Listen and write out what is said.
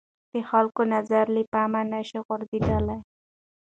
د خلکو نظر له پامه نه شي غورځېدلای